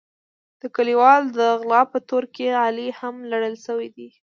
د کلیوالو د غلا په تور کې علي هم لړل شوی دی.